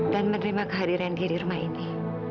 dan menerima kehadirannya diri di rumah ini